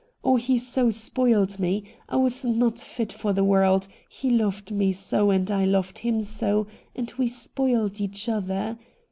Oh, he so spoiled me ! I was not fit for the world, he loved me so and I loved him so, and we so spoiled each other.